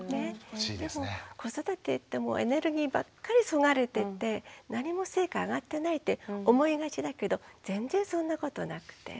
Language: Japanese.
でも子育てってエネルギーばっかりそがれていって何も成果あがってないって思いがちだけど全然そんなことなくて。